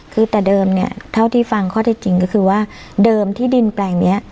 คือแต่เดิมเนี่ยเท่าที่ฟังข้อเท็จจริงก็คือว่าเดิมที่ดินแปลงนี้